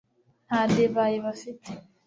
nta divayi bafite